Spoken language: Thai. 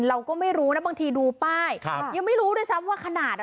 เราก็ไม่รู้นะบางทีดูป้ายครับยังไม่รู้ด้วยซ้ำว่าขนาดอ่ะ